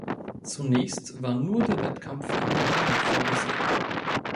Zunächst war nur der Wettkampf in der Halle vorgesehen.